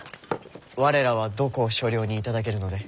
我らはどこを所領に頂けるので？